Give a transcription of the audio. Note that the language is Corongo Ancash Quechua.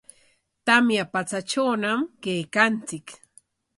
Tamya patsatrawñam kaykanchik.